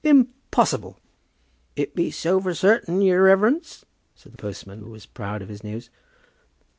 "Impossible!" "It be so for zartain, yer reverence," said the postman, who was proud of his news.